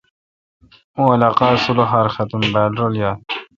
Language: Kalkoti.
اوں علاقہ سلخار ختم بال رل یال۔